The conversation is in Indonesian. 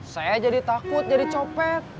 saya jadi takut jadi copet